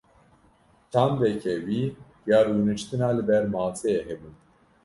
Çandeke wî ya rûniştina li ber maseyê hebû.